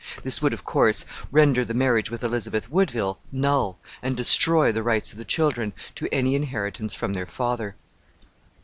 This would, of course, render the marriage with Elizabeth Woodville null, and destroy the rights of the children to any inheritance from their father.